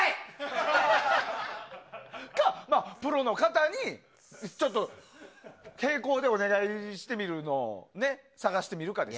それか、プロの方にちょっと並行でお願いしてみる探してみるかです。